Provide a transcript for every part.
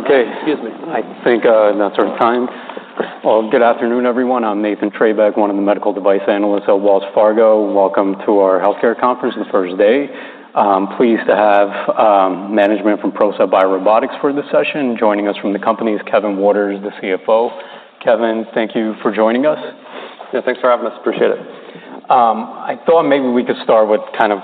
Okay, excuse me. I think now it's our time. Good afternoon, everyone. I'm Nathan Trebeck, one of the medical device analysts at Wells Fargo. Welcome to our healthcare conference, the first day. I'm pleased to have management from PROCEPT BioRobotics for this session. Joining us from the company is Kevin Waters, the CFO. Kevin, thank you for joining us. Yeah, thanks for having us. Appreciate it. I thought maybe we could start with kind of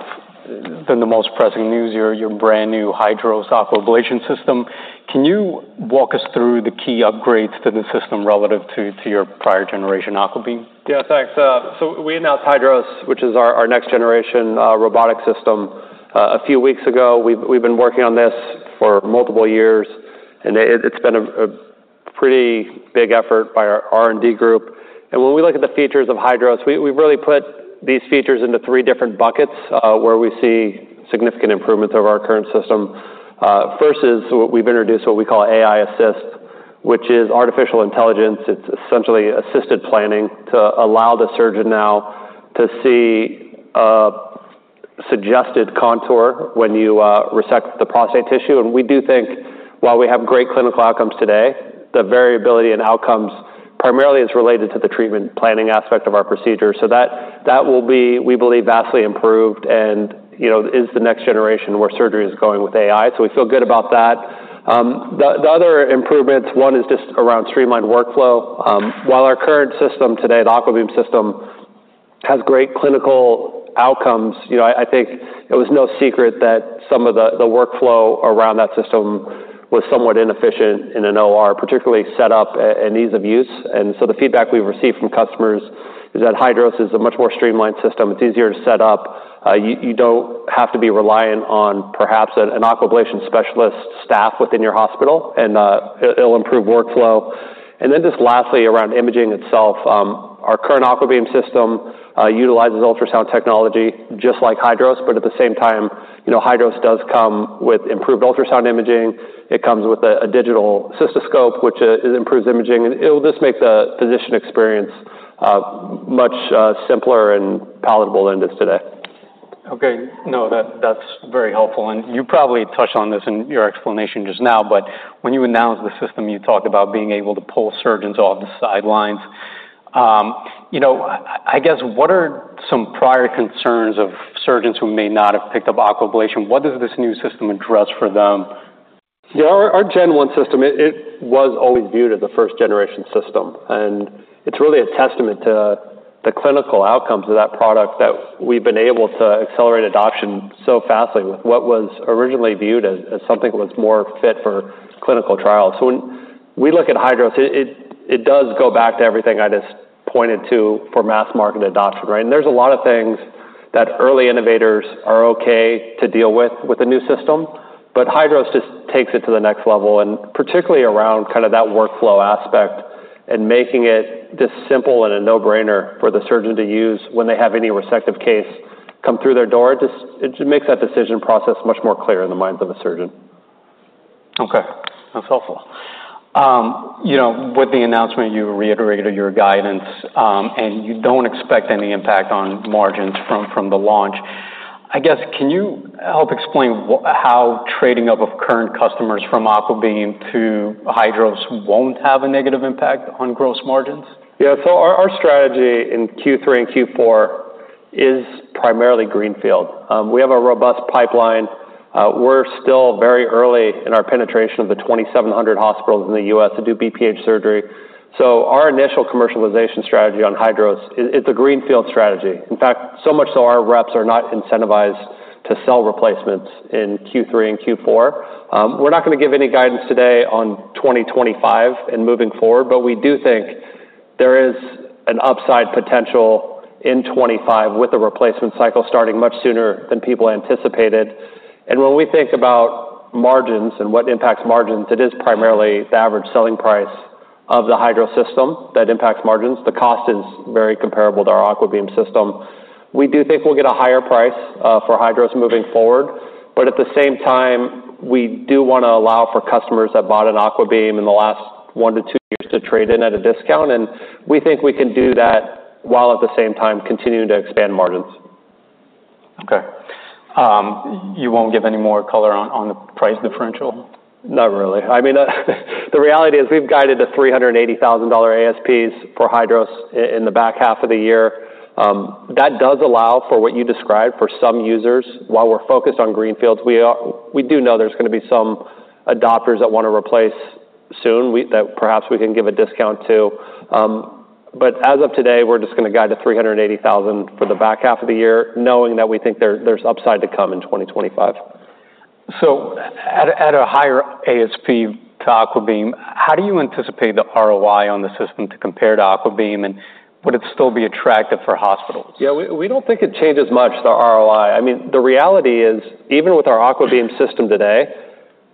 the most pressing news here, your brand new HYDROS Aquablation System. Can you walk us through the key upgrades to the system relative to your prior generation AquaBeam? Yeah, thanks. So we announced HYDROS, which is our next generation robotic system, a few weeks ago. We've been working on this for multiple years, and it's been a pretty big effort by our R&D group. And when we look at the features of HYDROS, we've really put these features into three different buckets, where we see significant improvements over our current system. First is we've introduced what we call AI Assist, which is artificial intelligence. It's essentially assisted planning to allow the surgeon now to see suggested contour when you resect the prostate tissue. And we do think while we have great clinical outcomes today, the variability in outcomes primarily is related to the treatment planning aspect of our procedure. So that will be, we believe, vastly improved and, you know, is the next generation where surgery is going with AI. So we feel good about that. The other improvements, one is just around streamlined workflow. While our current system today, the AquaBeam system, has great clinical outcomes, you know, I think it was no secret that some of the workflow around that system was somewhat inefficient in an OR, particularly set up and ease of use. And so the feedback we've received from customers is that HYDROS is a much more streamlined system. It's easier to set up. You don't have to be reliant on perhaps an Aquablation specialist staff within your hospital, and it, it'll improve workflow. And then just lastly, around imaging itself, our current AquaBeam system utilizes ultrasound technology just like HYDROS, but at the same time, you know, HYDROS does come with improved ultrasound imaging. It comes with a digital cystoscope, which it improves imaging, and it'll just make the physician experience much simpler and palatable than it is today. Okay. No, that's very helpful, and you probably touched on this in your explanation just now, but when you announced the system, you talked about being able to pull surgeons off the sidelines. You know, I guess, what are some prior concerns of surgeons who may not have picked up Aquablation? What does this new system address for them? Yeah, our Gen One system, it was always viewed as a first-generation system, and it's really a testament to the clinical outcomes of that product that we've been able to accelerate adoption so fastly with what was originally viewed as something that was more fit for clinical trials. So when we look at HYDROS, it does go back to everything I just pointed to for mass market adoption, right? And there's a lot of things that early innovators are okay to deal with with a new system, but HYDROS just takes it to the next level, and particularly around kind of that workflow aspect and making it just simple and a no-brainer for the surgeon to use when they have any resective case come through their door. Just, it just makes that decision process much more clear in the minds of a surgeon. Okay, that's helpful. You know, with the announcement, you reiterated your guidance, and you don't expect any impact on margins from the launch. I guess, can you help explain how trading up of current customers from AquaBeam to HYDROS won't have a negative impact on gross margins? Yeah, so our strategy in Q3 and Q4 is primarily greenfield. We have a robust pipeline. We're still very early in our penetration of the 2,700 hospitals in the U.S. that do BPH surgery. So our initial commercialization strategy on HYDROS, it's a greenfield strategy. In fact, so much so, our reps are not incentivized to sell replacements in Q3 and Q4. We're not gonna give any guidance today on 2025 and moving forward, but we do think there is an upside potential in '25, with the replacement cycle starting much sooner than people anticipated. And when we think about margins and what impacts margins, it is primarily the average selling price of the HYDROS system that impacts margins. The cost is very comparable to our AquaBeam system. We do think we'll get a higher price for HYDROS moving forward, but at the same time, we do want to allow for customers that bought an AquaBeam in the last one to two years to trade in at a discount, and we think we can do that while at the same time continuing to expand margins. Okay. You won't give any more color on the price differential? Not really. I mean, the reality is we've guided the $380,000 ASPs for HYDROS in the back half of the year. That does allow for what you described for some users. While we're focused on greenfields, we do know there's gonna be some adopters that want to replace soon, that perhaps we can give a discount to. But as of today, we're just gonna guide the $380,000 for the back half of the year, knowing that we think there's upside to come in 2025. So at a higher ASP to AquaBeam, how do you anticipate the ROI on the system to compare to AquaBeam, and would it still be attractive for hospitals? Yeah, we don't think it changes much, the ROI. I mean, the reality is, even with our AquaBeam system today,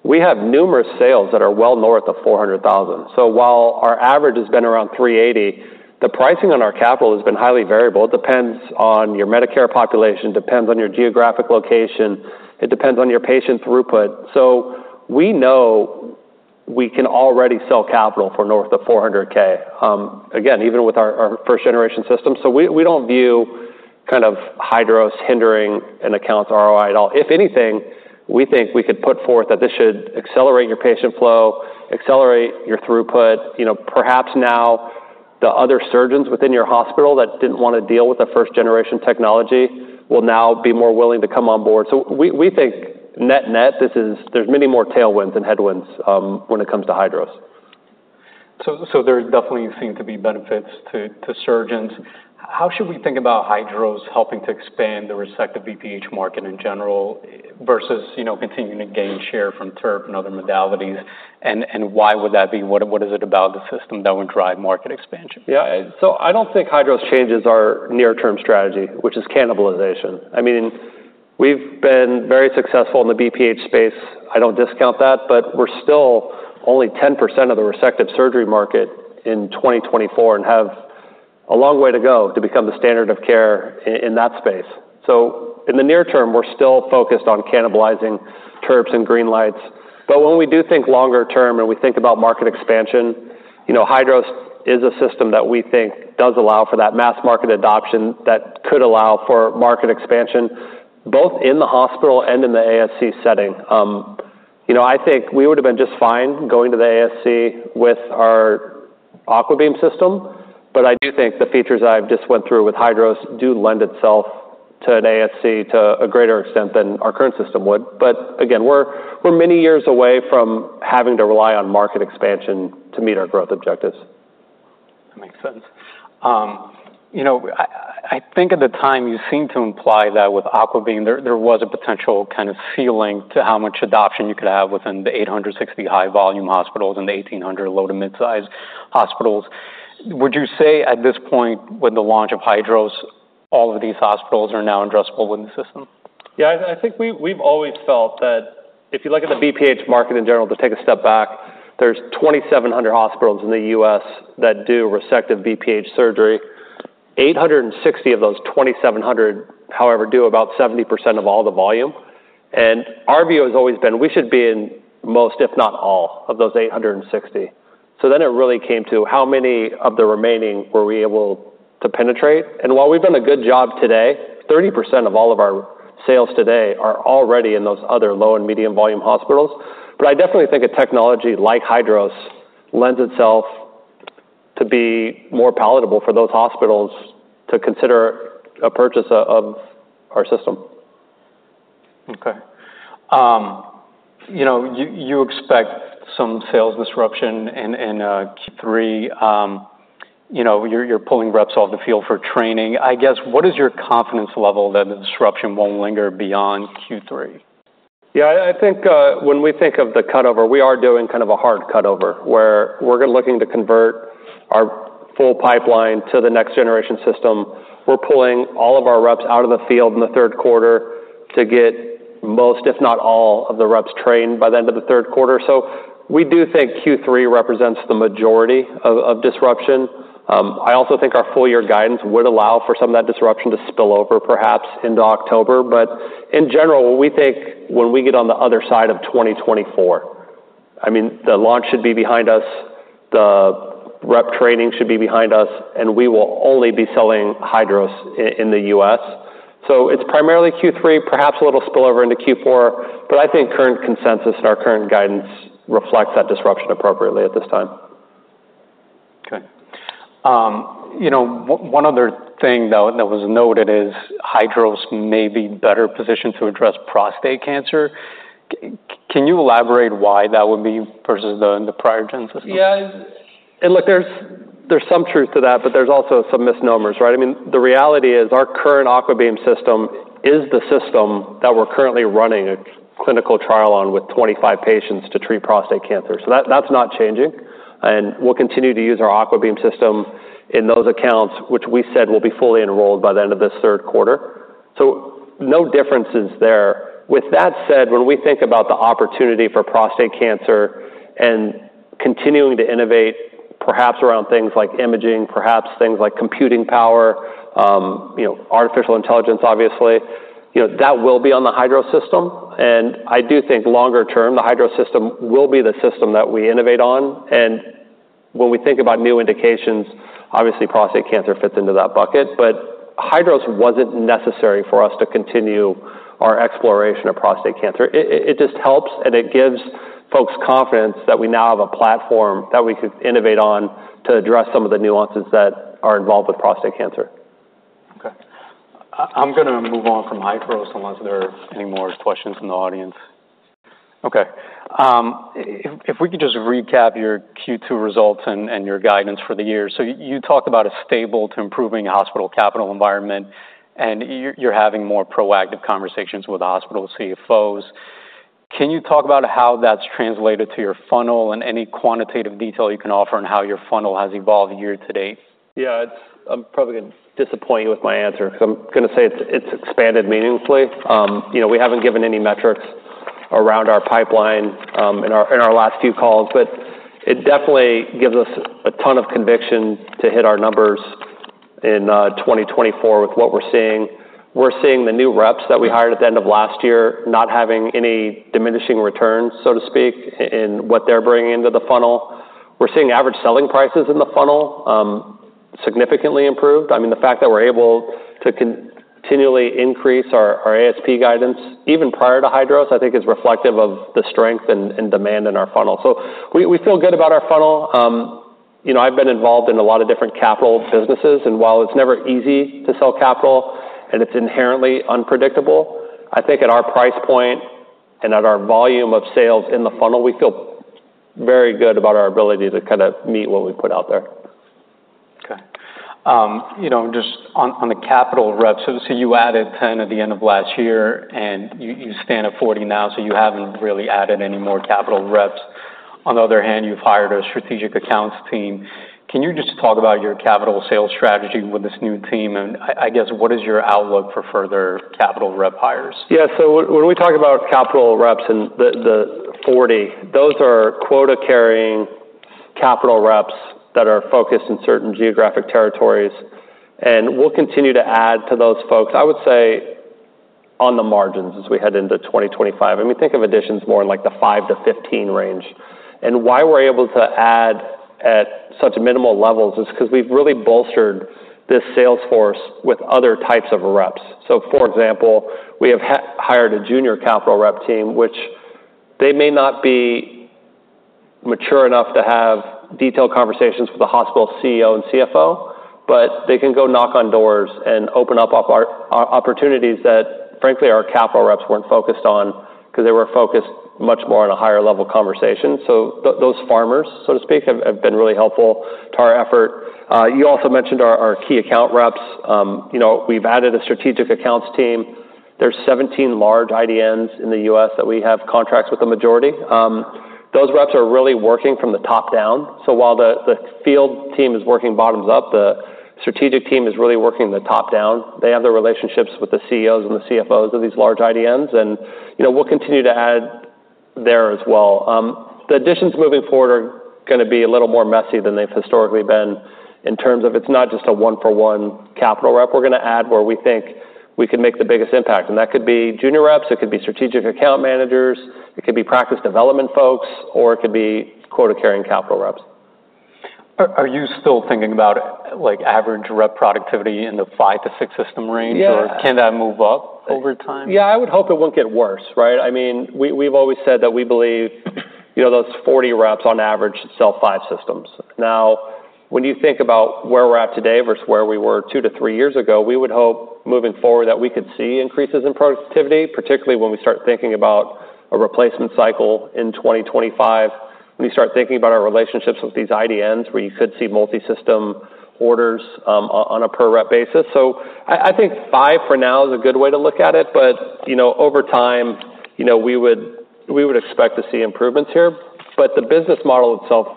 we have numerous sales that are well north of $400,000. So while our average has been around $380,000, the pricing on our capital has been highly variable. It depends on your Medicare population, depends on your geographic location, it depends on your patient throughput. So we know we can already sell capital for north of $400,000, again, even with our first-generation system. So we don't view HYDROS hindering an account's ROI at all. If anything, we think we could put forth that this should accelerate your patient flow, accelerate your throughput. You know, perhaps now the other surgeons within your hospital that didn't want to deal with the first-generation technology will now be more willing to come on board. So we think net-net, this is. There's many more tailwinds than headwinds when it comes to HYDROS. So there definitely seem to be benefits to surgeons. How should we think about HYDROS helping to expand the resective BPH market in general versus, you know, continuing to gain share from TURP and other modalities? And why would that be? What is it about the system that would drive market expansion? Yeah. So I don't think HYDROS changes our near-term strategy, which is cannibalization. I mean, we've been very successful in the BPH space. I don't discount that, but we're still only 10% of the resective surgery market in 2024, and have a long way to go to become the standard of care in that space. So in the near term, we're still focused on cannibalizing TURPs and GreenLights. But when we do think longer term, and we think about market expansion, you know, HYDROS is a system that we think does allow for that mass market adoption, that could allow for market expansion, both in the hospital and in the ASC setting. You know, I think we would've been just fine going to the ASC with our AquaBeam system, but I do think the features I've just went through with HYDROS do lend itself to an ASC to a greater extent than our current system would. But again, we're many years away from having to rely on market expansion to meet our growth objectives. That makes sense. You know, I think at the time, you seemed to imply that with AquaBeam, there was a potential kind of ceiling to how much adoption you could have within the 860 high-volume hospitals and the 1,800 low to mid-size hospitals. Would you say, at this point, with the launch of HYDROS, all of these hospitals are now addressable in the system? Yeah, I think we've always felt that if you look at the BPH market in general, to take a step back, there are 2,700 hospitals in the U.S. that do resective BPH surgery. 860 of those 2,700, however, do about 70% of all the volume. And our view has always been, we should be in most, if not all, of those 860. So then it really came to how many of the remaining were we able to penetrate? And while we've done a good job today, 30% of all of our sales today are already in those other low and medium-volume hospitals. But I definitely think a technology like HYDROS lends itself to be more palatable for those hospitals to consider a purchase of our system. Okay. You know, you expect some sales disruption in Q3. You know, you're pulling reps off the field for training. I guess, what is your confidence level that the disruption won't linger beyond Q3? Yeah, I think when we think of the cutover, we are doing kind of a hard cutover, where we're looking to convert our full pipeline to the next-generation system. We're pulling all of our reps out of the field in the Q3 to get most, if not all, of the reps trained by the end of the Q3. So we do think Q3 represents the majority of disruption. I also think our full year guidance would allow for some of that disruption to spill over, perhaps into October. But in general, when we get on the other side of twenty twenty-four, I mean, the launch should be behind us, the rep training should be behind us, and we will only be selling HYDROS in the U.S. So it's primarily Q3, perhaps a little spillover into Q4, but I think current consensus and our current guidance reflects that disruption appropriately at this time. Okay. You know, one other thing, though, that was noted is HYDROS may be better positioned to address prostate cancer. Can you elaborate why that would be versus the prior gen system? Yeah. And look, there's some truth to that, but there's also some misnomers, right? I mean, the reality is, our current AquaBeam system is the system that we're currently running a clinical trial on with 25 patients to treat prostate cancer. So that, that's not changing, and we'll continue to use our AquaBeam system in those accounts, which we said will be fully enrolled by the end of this Q3. So no differences there. With that said, when we think about the opportunity for prostate cancer and continuing to innovate, perhaps around things like imaging, perhaps things like computing power, you know, artificial intelligence, obviously, you know, that will be on the HYDROS system. And I do think longer term, the HYDROS system will be the system that we innovate on. And when we think about new indications, obviously, prostate cancer fits into that bucket. But HYDROS wasn't necessary for us to continue our exploration of prostate cancer. It just helps, and it gives folks confidence that we now have a platform that we could innovate on to address some of the nuances that are involved with prostate cancer. Okay. I'm gonna move on from HYDROS, unless there are any more questions from the audience. Okay. If we could just recap your Q2 results and your guidance for the year. So you talked about a stable to improving hospital capital environment, and you're having more proactive conversations with hospital CFOs. Can you talk about how that's translated to your funnel, and any quantitative detail you can offer on how your funnel has evolved year to date? Yeah, it's. I'm probably gonna disappoint you with my answer, because I'm gonna say it's, it's expanded meaningfully. You know, we haven't given any metrics around our pipeline, in our, in our last few calls, but it definitely gives us a ton of conviction to hit our numbers in 2024 with what we're seeing. We're seeing the new reps that we hired at the end of last year not having any diminishing returns, so to speak, in what they're bringing into the funnel. We're seeing average selling prices in the funnel, significantly improved. I mean, the fact that we're able to continually increase our, our ASP guidance, even prior to Hydros, I think is reflective of the strength and, and demand in our funnel. So we, we feel good about our funnel. You know, I've been involved in a lot of different capital businesses, and while it's never easy to sell capital, and it's inherently unpredictable. I think at our price point and at our volume of sales in the funnel, we feel very good about our ability to kind of meet what we put out there. Okay. You know, just on the capital reps, so you added 10 at the end of last year, and you stand at 40 now, so you haven't really added any more capital reps. On the other hand, you've hired a strategic accounts team. Can you just talk about your capital sales strategy with this new team? And I guess, what is your outlook for further capital rep hires? Yeah, so when we talk about capital reps and the 40, those are quota-carrying capital reps that are focused in certain geographic territories, and we'll continue to add to those folks, I would say, on the margins as we head into 2025. And we think of additions more in, like, the 5 to 15 range. And why we're able to add at such minimal levels is because we've really bolstered this sales force with other types of reps. So for example, we have hired a junior capital rep team, which they may not be mature enough to have detailed conversations with the hospital CEO and CFO, but they can go knock on doors and open up opportunities that, frankly, our capital reps weren't focused on because they were focused much more on a higher-level conversation. So those farmers, so to speak, have been really helpful to our effort. You also mentioned our key account reps. You know, we've added a strategic accounts team. There's 17 large IDNs in the U.S. that we have contracts with the majority. Those reps are really working from the top down. So while the field team is working bottoms up, the strategic team is really working the top down. They have the relationships with the CEOs and the CFOs of these large IDNs, and you know, we'll continue to add there as well. The additions moving forward are gonna be a little more messy than they've historically been in terms of it's not just a one-for-one capital rep we're gonna add, where we think we can make the biggest impact. That could be junior reps, it could be strategic account managers, it could be practice development folks, or it could be quota-carrying capital reps. Are you still thinking about, like, average rep productivity in the five-to-six system range- Yeah. or can that move up over time? Yeah, I would hope it won't get worse, right? I mean, we, we've always said that we believe, you know, those forty reps on average sell five systems. Now, when you think about where we're at today versus where we were two to three years ago, we would hope, moving forward, that we could see increases in productivity, particularly when we start thinking about a replacement cycle in 2025, when we start thinking about our relationships with these IDNs, where you could see multisystem orders on a per-rep basis. So I think five for now is a good way to look at it, but, you know, over time, you know, we would expect to see improvements here. But the business model itself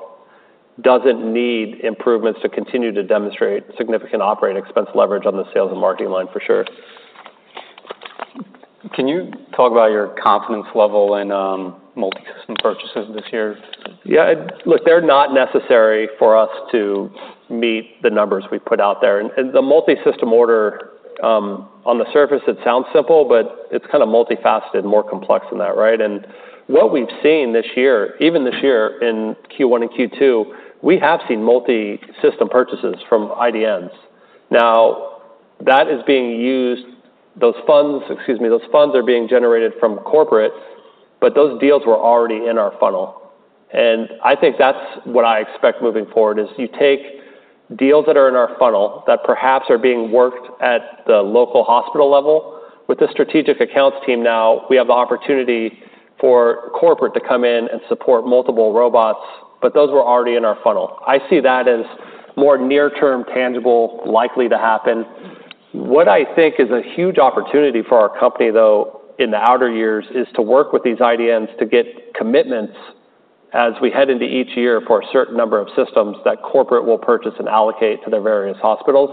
doesn't need improvements to continue to demonstrate significant operating expense leverage on the sales and marketing line, for sure. Can you talk about your confidence level in multisystem purchases this year? Yeah. Look, they're not necessary for us to meet the numbers we put out there. And the multisystem order, on the surface it sounds simple, but it's kind of multifaceted and more complex than that, right? And what we've seen this year, even this year in Q1 and Q2, we have seen multisystem purchases from IDNs. Now, that is being used, those funds. Excuse me, those funds are being generated from corporate, but those deals were already in our funnel. And I think that's what I expect moving forward, is you take deals that are in our funnel that perhaps are being worked at the local hospital level. With the strategic accounts team now, we have the opportunity for corporate to come in and support multiple robots, but those were already in our funnel. I see that as more near-term, tangible, likely to happen. What I think is a huge opportunity for our company, though, in the outer years, is to work with these IDNs to get commitments as we head into each year for a certain number of systems that corporate will purchase and allocate to their various hospitals.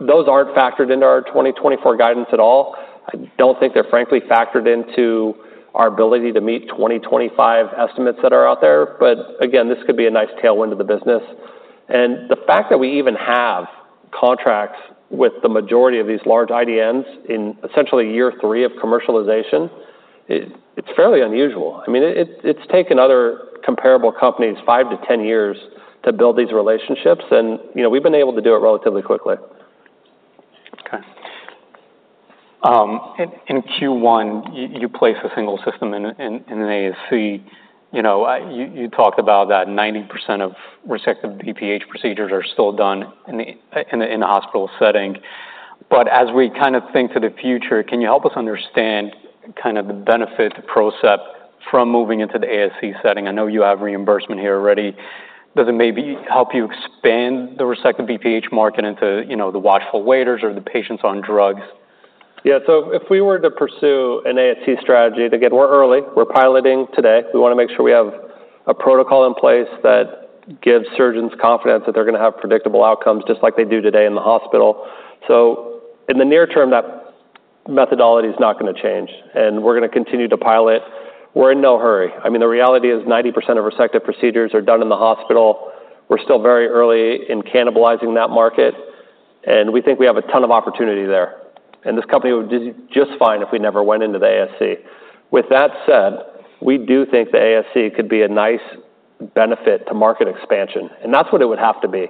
Those aren't factored into our 2024 guidance at all. I don't think they're, frankly, factored into our ability to meet 2025 estimates that are out there. But again, this could be a nice tailwind to the business. And the fact that we even have contracts with the majority of these large IDNs in essentially year three of commercialization, it, it's fairly unusual. I mean, it, it's taken other comparable companies five to 10 years to build these relationships, and, you know, we've been able to do it relatively quickly. Okay. In Q1, you placed a single system in an ASC. You know, you talked about that 90% of resective BPH procedures are still done in a hospital setting. But as we kind of think to the future, can you help us understand kind of the benefit to PROCEPT from moving into the ASC setting? I know you have reimbursement here already. Does it maybe help you expand the resective BPH market into, you know, the watchful waiters or the patients on drugs? Yeah, so if we were to pursue an ASC strategy, again, we're early. We're piloting today. We want to make sure we have a protocol in place that gives surgeons confidence that they're gonna have predictable outcomes, just like they do today in the hospital. So in the near term, that methodology is not going to change, and we're going to continue to pilot. We're in no hurry. I mean, the reality is 90% of resective procedures are done in the hospital. We're still very early in cannibalizing that market, and we think we have a ton of opportunity there. And this company would do just fine if we never went into the ASC. With that said, we do think the ASC could be a nice benefit to market expansion, and that's what it would have to be.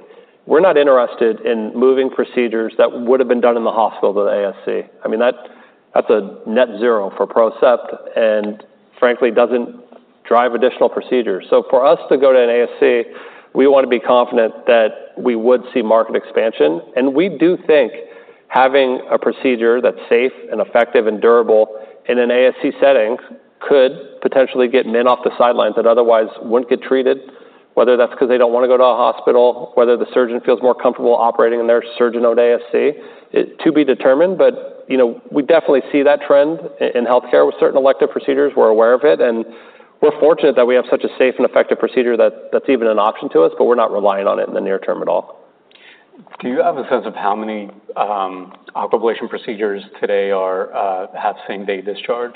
We're not interested in moving procedures that would have been done in the hospital to the ASC. I mean, that's a net zero for PROCEPT and frankly, doesn't drive additional procedures. So for us to go to an ASC, we want to be confident that we would see market expansion, and we do think having a procedure that's safe and effective and durable in an ASC setting could potentially get men off the sidelines that otherwise wouldn't get treated, whether that's because they don't want to go to a hospital, whether the surgeon feels more comfortable operating in their surgeon-owned ASC, it to be determined, but you know, we definitely see that trend in healthcare with certain elective procedures. We're aware of it, and we're fortunate that we have such a safe and effective procedure that's even an option to us, but we're not relying on it in the near term at all. Do you have a sense of how many Aquablation procedures today have same-day discharge?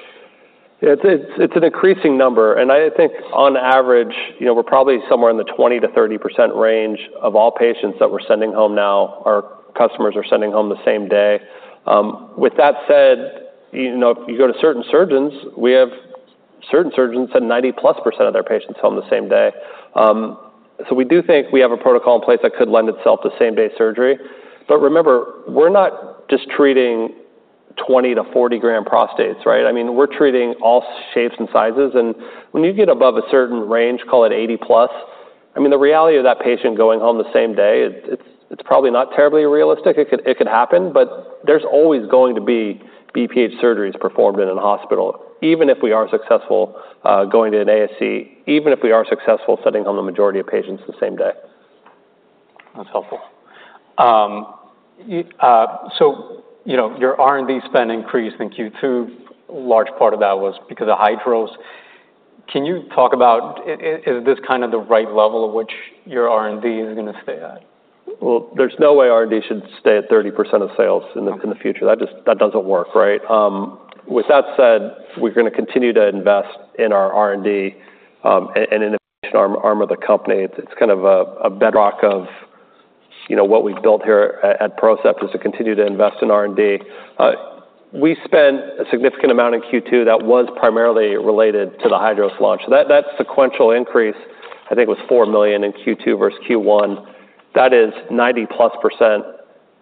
Yeah, it's an increasing number, and I think on average, you know, we're probably somewhere in the 20-30% range of all patients that we're sending home now, our customers are sending home the same day. With that said, you know, if you go to certain surgeons, we have certain surgeons send 90+% of their patients home the same day. So we do think we have a protocol in place that could lend itself to same-day surgery. But remember, we're not just treating 20- to 40-gram prostates, right? I mean, we're treating all shapes and sizes, and when you get above a certain range, call it 80+, I mean, the reality of that patient going home the same day, it's probably not terribly realistic. It could happen, but there's always going to be BPH surgeries performed in a hospital, even if we are successful going to an ASC, even if we are successful sending home the majority of patients the same day. That's helpful, so you know, your R&D spend increased in Q2. A large part of that was because of HYDROS. Can you talk about, is this kind of the right level of which your R&D is going to stay at? There's no way R&D should stay at 30% of sales in the future. That just doesn't work, right? With that said, we're going to continue to invest in our R&D and innovation arm of the company. It's kind of a bedrock of, you know, what we've built here at PROCEPT is to continue to invest in R&D. We spent a significant amount in Q2 that was primarily related to the HYDROS launch. That sequential increase, I think, was $4 million in Q2 versus Q1. That is 90+%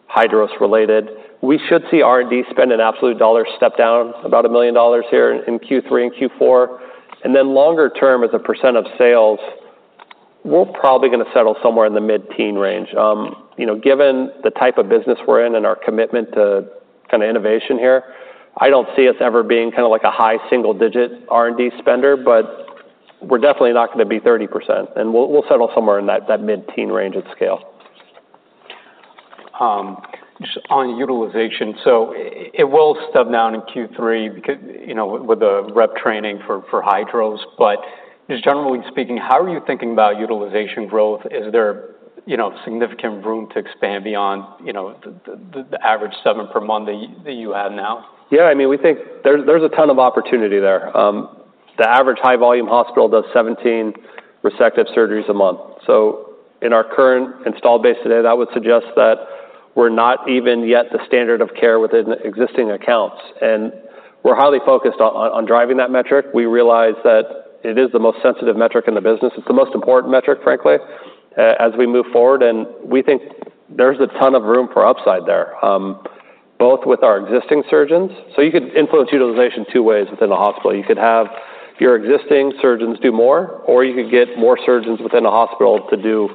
HYDROS related. We should see R&D spend in absolute dollars step down about $1 million here in Q3 and Q4. And then longer term, as a percent of sales, we're probably going to settle somewhere in the mid-teen range. You know, given the type of business we're in and our commitment to kind of innovation here, I don't see us ever being kind of like a high single-digit R&D spender, but we're definitely not going to be 30%, and we'll settle somewhere in that mid-teen range at scale. Just on utilization. So it will step down in Q3 because, you know, with the rep training for Hydros, but just generally speaking, how are you thinking about utilization growth? Is there, you know, significant room to expand beyond, you know, the average seven per month that you have now? Yeah, I mean, we think there's a ton of opportunity there. The average high-volume hospital does seventeen resective surgeries a month. So in our current installed base today, that would suggest that we're not even yet the standard of care within existing accounts, and we're highly focused on driving that metric. We realize that it is the most sensitive metric in the business. It's the most important metric, frankly, as we move forward, and we think there's a ton of room for upside there, both with our existing surgeons. So you could influence utilization two ways within a hospital. You could have your existing surgeons do more, or you could get more surgeons within a hospital to do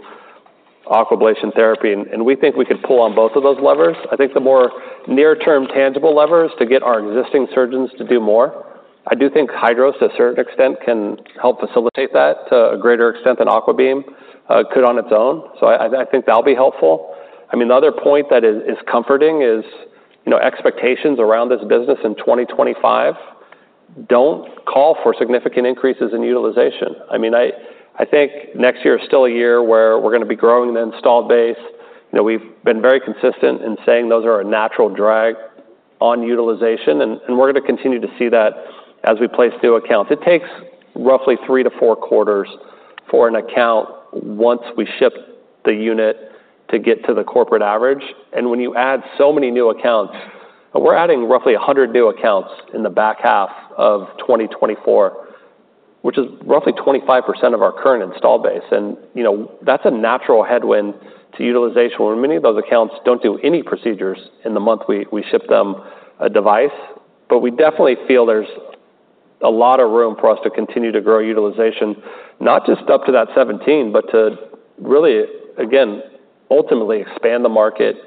aquablation therapy, and we think we could pull on both of those levers. I think the more near-term tangible lever is to get our existing surgeons to do more. I do think HYDROS, to a certain extent, can help facilitate that to a greater extent than AquaBeam could on its own. So I think that'll be helpful. I mean, the other point that is comforting is, you know, expectations around this business in 2025 don't call for significant increases in utilization. I mean, I think next year is still a year where we're going to be growing the installed base. You know, we've been very consistent in saying those are a natural drag on utilization, and we're going to continue to see that as we place new accounts. It takes roughly three to four quarters for an account, once we ship the unit, to get to the corporate average. When you add so many new accounts, we're adding roughly 100 new accounts in the back half of 2024, which is roughly 25% of our current installed base. You know, that's a natural headwind to utilization, where many of those accounts don't do any procedures in the month we ship them a device. But we definitely feel there's a lot of room for us to continue to grow utilization, not just up to that 17, but to really, again, ultimately expand the market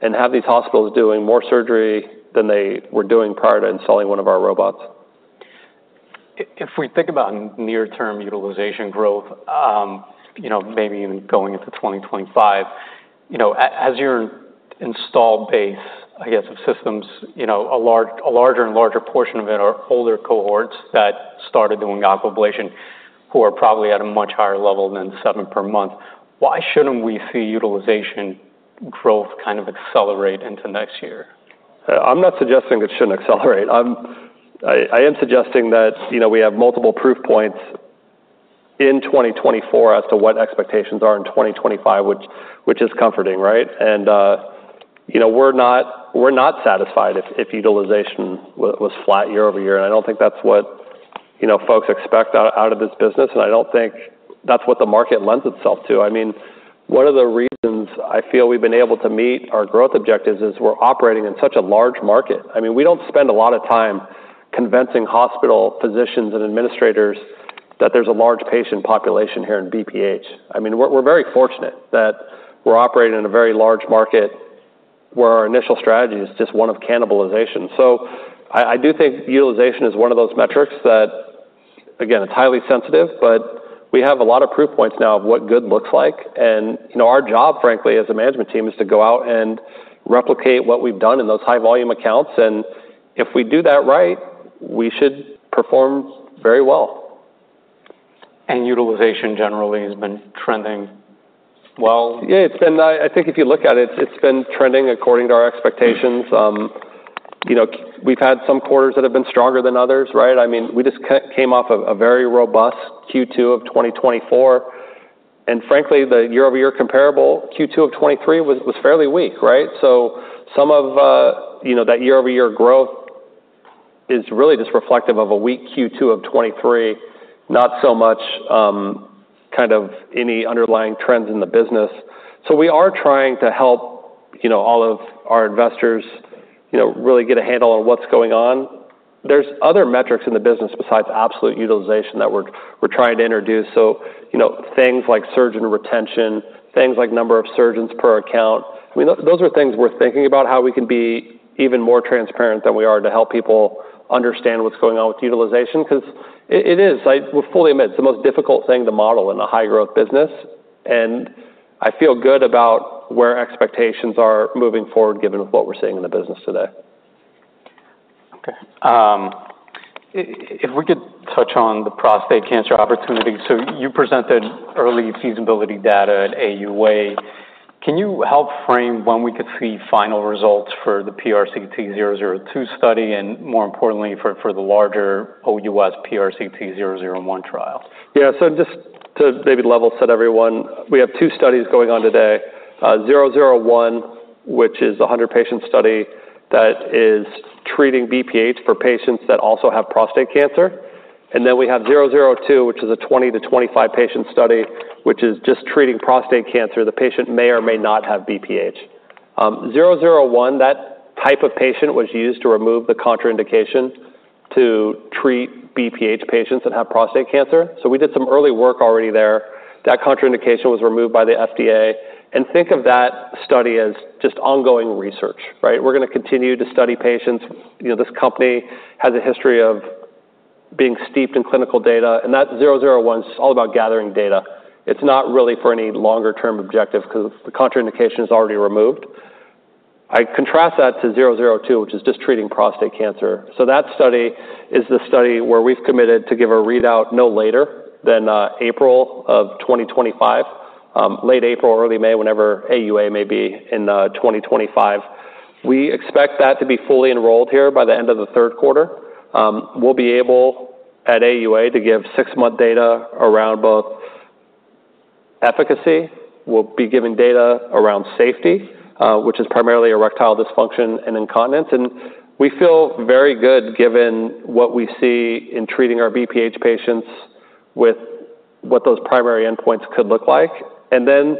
and have these hospitals doing more surgery than they were doing prior to installing one of our robots. If we think about near-term utilization growth, you know, maybe even going into 2025, you know, as your installed base, I guess, of systems, you know, a larger and larger portion of it are older cohorts that started doing Aquablation, who are probably at a much higher level than seven per month, why shouldn't we see utilization growth kind of accelerate into next year? I'm not suggesting it shouldn't accelerate. I am suggesting that, you know, we have multiple proof points in 2024 as to what expectations are in 2025, which is comforting, right? And you know, we're not satisfied if utilization was flat year-over-year, and I don't think that's what, you know, folks expect out of this business, and I don't think that's what the market lends itself to. I mean, one of the reasons I feel we've been able to meet our growth objectives is we're operating in such a large market. I mean, we don't spend a lot of time convincing hospital physicians and administrators that there's a large patient population here in BPH. I mean, we're very fortunate that we're operating in a very large market, where our initial strategy is just one of cannibalization. So I do think utilization is one of those metrics that, again, it's highly sensitive, but we have a lot of proof points now of what good looks like. And, you know, our job, frankly, as a management team, is to go out and replicate what we've done in those high-volume accounts, and if we do that right, we should perform very well. And utilization generally has been trending well? Yeah, it's been... I think if you look at it, it's been trending according to our expectations. You know, we've had some quarters that have been stronger than others, right? I mean, we just came off a very robust Q2 of 2024, and frankly, the year-over-year comparable, Q2 of 2023 was fairly weak, right? So some of, you know, that year-over-year growth is really just reflective of a weak Q2 of 2023, not so much kind of any underlying trends in the business. So we are trying to help, you know, all of our investors, you know, really get a handle on what's going on. There's other metrics in the business besides absolute utilization that we're trying to introduce, so, you know, things like surgeon retention, things like number of surgeons per account. I mean, those are things we're thinking about, how we can be even more transparent than we are to help people understand what's going on with utilization, 'cause it is, we fully admit, it's the most difficult thing to model in a high-growth business, and I feel good about where expectations are moving forward, given what we're seeing in the business today. Okay. If we could touch on the prostate cancer opportunity. So you presented early feasibility data at AUA. Can you help frame when we could see final results for the PRCT-002 study and, more importantly, for the larger OUS PRCT-001 trial? Yeah, so just to maybe level set everyone, we have two studies going on today, 001, which is a hundred-patient study that is treating BPH for patients that also have prostate cancer, and then we have 002, which is a twenty to twenty-five-patient study, which is just treating prostate cancer. The patient may or may not have BPH. 001, that type of patient was used to remove the contraindication to treat BPH patients that have prostate cancer, so we did some early work already there. That contraindication was removed by the FDA. And think of that study as just ongoing research, right? We're gonna continue to study patients. You know, this company has a history of being steeped in clinical data, and that 001 is all about gathering data. It's not really for any longer-term objective, 'cause the contraindication is already removed. I contrast that to 002, which is just treating prostate cancer. So that study is the study where we've committed to give a readout no later than April of 2025, late April or early May, whenever AUA may be in 2025. We expect that to be fully enrolled here by the end of the Q3. We'll be able, at AUA, to give six-month data around both efficacy, we'll be giving data around safety, which is primarily erectile dysfunction and incontinence, and we feel very good, given what we see in treating our BPH patients, with what those primary endpoints could look like. Then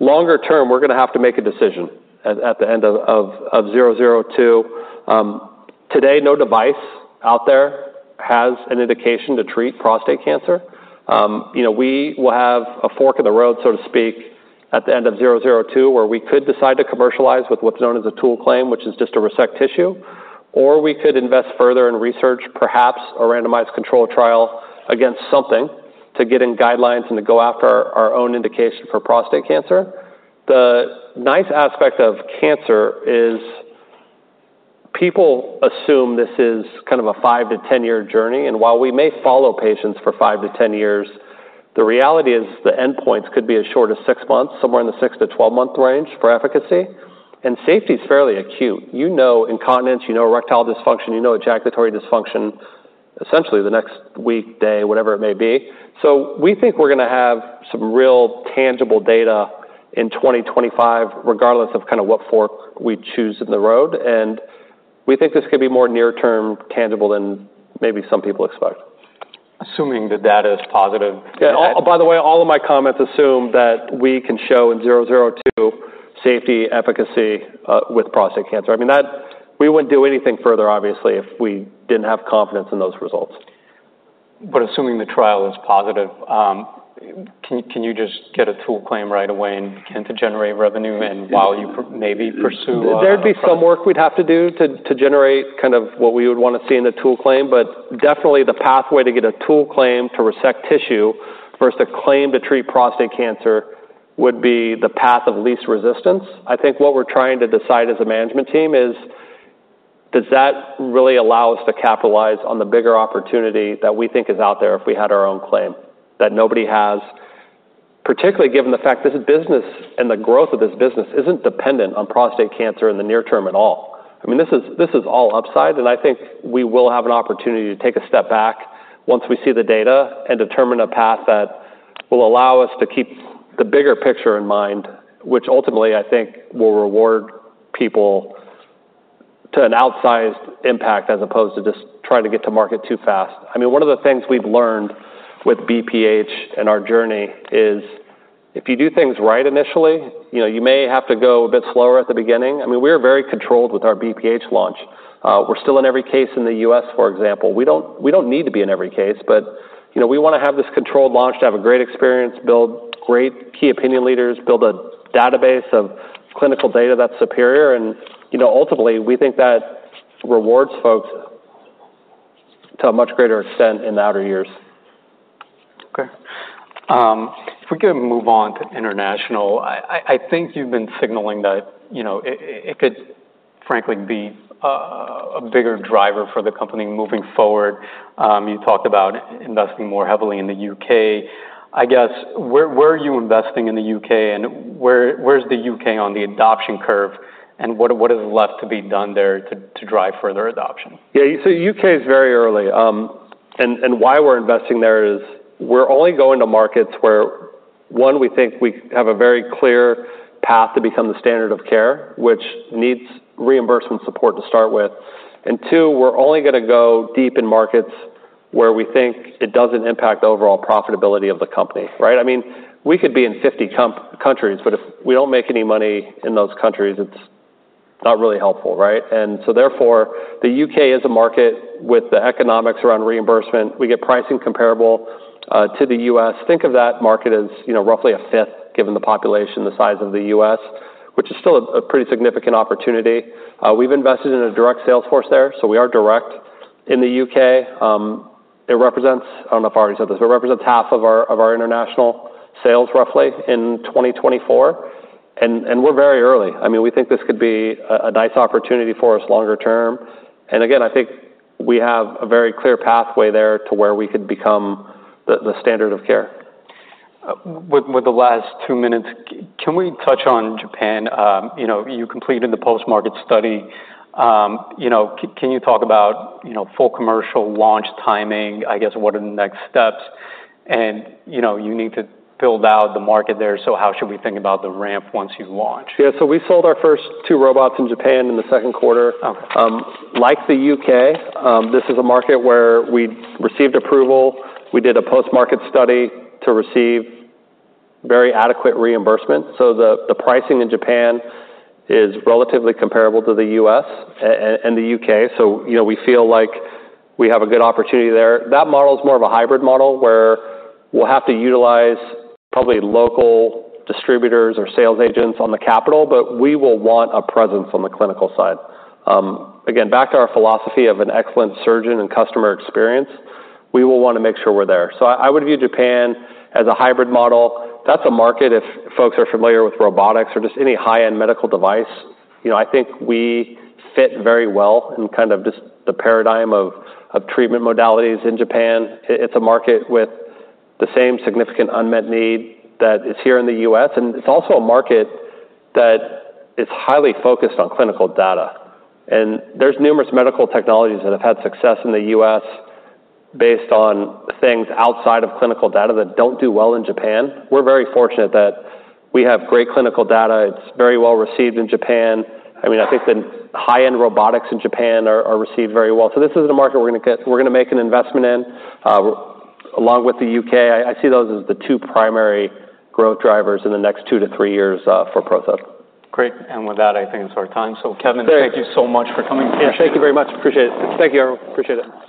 longer term, we're gonna have to make a decision at the end of 002. Today, no device out there has an indication to treat prostate cancer. You know, we will have a fork in the road, so to speak, at the end of 002, where we could decide to commercialize with what's known as a tool claim, which is just to resect tissue, or we could invest further in research, perhaps a randomized controlled trial against something to get in guidelines and to go after our, our own indication for prostate cancer. The nice aspect of cancer is people assume this is kind of a five- to ten-year journey, and while we may follow patients for five to ten years, the reality is the endpoints could be as short as six months, somewhere in the six- to twelve-month range for efficacy, and safety is fairly acute. You know incontinence, you know erectile dysfunction, you know ejaculatory dysfunction, essentially the next week, day, whatever it may be. So we think we're gonna have some real tangible data in 2025, regardless of kind of what fork we choose in the road, and we think this could be more near-term tangible than maybe some people expect. Assuming the data is positive- Yeah, by the way, all of my comments assume that we can show in 002 safety, efficacy with prostate cancer. I mean, that... We wouldn't do anything further, obviously, if we didn't have confidence in those results. But assuming the trial is positive, can you just get a tool claim right away and can to generate revenue and while you maybe pursue There'd be some work we'd have to do to generate kind of what we would want to see in the tool claim, but definitely the pathway to get a tool claim to resect tissue versus a claim to treat prostate cancer would be the path of least resistance. I think what we're trying to decide as a management team is. Does that really allow us to capitalize on the bigger opportunity that we think is out there if we had our own claim, that nobody has, particularly given the fact this business and the growth of this business isn't dependent on prostate cancer in the near term at all? I mean, this is, this is all upside, and I think we will have an opportunity to take a step back once we see the data and determine a path that will allow us to keep the bigger picture in mind, which ultimately, I think, will reward people to an outsized impact, as opposed to just trying to get to market too fast. I mean, one of the things we've learned with BPH and our journey is, if you do things right initially, you know, you may have to go a bit slower at the beginning. I mean, we are very controlled with our BPH launch. We're still in every case in the U.S., for example. We don't need to be in every case, but, you know, we wanna have this controlled launch, to have a great experience, build great key opinion leaders, build a database of clinical data that's superior, and, you know, ultimately, we think that rewards folks to a much greater extent in the outer years. Okay. If we could move on to international, I think you've been signaling that, you know, it could, frankly, be a bigger driver for the company moving forward. You talked about investing more heavily in the U.K. I guess, where are you investing in the U.K., and where's the U.K. on the adoption curve, and what is left to be done there to drive further adoption? Yeah, so U.K. is very early. And why we're investing there is we're only going to markets where, one, we think we have a very clear path to become the standard of care, which needs reimbursement support to start with, and two, we're only gonna go deep in markets where we think it doesn't impact the overall profitability of the company, right? I mean, we could be in fifty countries, but if we don't make any money in those countries, it's not really helpful, right? And so therefore, the U.K. is a market with the economics around reimbursement. We get pricing comparable to the U.S. Think of that market as, you know, roughly a fifth, given the population, the size of the U.S., which is still a pretty significant opportunity. We've invested in a direct sales force there, so we are direct in the UK. It represents... I don't know if I already said this, it represents half of our international sales, roughly, in 2024, and we're very early. I mean, we think this could be a nice opportunity for us longer term. And again, I think we have a very clear pathway there to where we could become the standard of care. With the last two minutes, can we touch on Japan? You know, you completed the post-market study. You know, can you talk about, you know, full commercial launch timing? I guess, what are the next steps? And, you know, you need to build out the market there, so how should we think about the ramp once you launch? Yeah, so we sold our first two robots in Japan in the Q2. Okay. Like the U.K., this is a market where we received approval. We did a post-market study to receive very adequate reimbursement. So the pricing in Japan is relatively comparable to the U.S. and the U.K., so, you know, we feel like we have a good opportunity there. That model is more of a hybrid model, where we'll have to utilize probably local distributors or sales agents on the capital, but we will want a presence on the clinical side. Again, back to our philosophy of an excellent surgeon and customer experience, we will wanna make sure we're there. So I would view Japan as a hybrid model. That's a market, if folks are familiar with robotics or just any high-end medical device, you know, I think we fit very well in kind of just the paradigm of treatment modalities in Japan. It's a market with the same significant unmet need that is here in the U.S., and it's also a market that is highly focused on clinical data. And there's numerous medical technologies that have had success in the U.S. based on things outside of clinical data that don't do well in Japan. We're very fortunate that we have great clinical data. It's very well received in Japan. I mean, I think the high-end robotics in Japan are received very well. So this is a market we're gonna make an investment in, along with the U.K. I see those as the two primary growth drivers in the next two to three years, for PROCEPT BioRobotics. Great. And with that, I think it's our time. Great. So Kevin, thank you so much for coming in. Thank you very much. Appreciate it. Thank you, Aroo. Appreciate it.